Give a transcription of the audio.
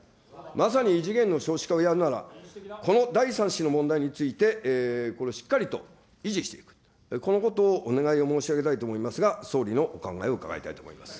まさに、異次元の少子化をやるなら、この第３子の問題について、これをしっかりと維持していく、このことをお願いを申し上げたいと思いますが、総理のお考えを伺いたいと思います。